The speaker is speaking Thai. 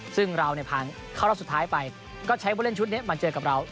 ซึ่งเราผ่านเข้ารอบสุดท้ายไปก็ใช้ผู้เล่นชุดนี้มาเจอกับเรา